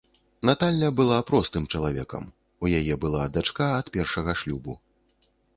Наталля была простым чалавекам, у яе была дачка ад першага шлюбу.